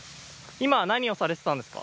今何をされてたんですか？